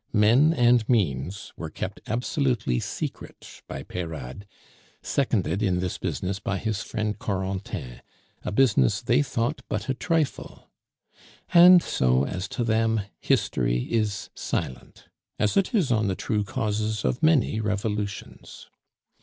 Men and means were kept absolutely secret by Peyarde, seconded in this business by his friend Corentin a business they thought but a trifle. And so, as to them, history is silent, as it is on the true causes of many revolutions.